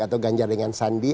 atau ganjar dengan sandi